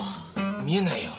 見えないよ。